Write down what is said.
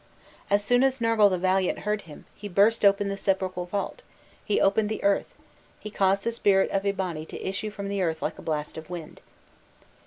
As soon as Nergal the valiant heard him, he burst open the sepulchral vault, he opened the earth, he caused the spirit of Eabani to issue from the earth like a blast of wind."